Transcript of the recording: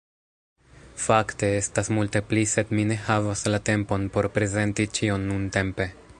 Fakte, estas multe pli sed mi ne havas la tempon por prezenti ĉion nuntempe